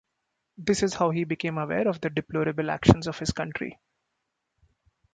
This is how he became aware of the deplorable actions of his country.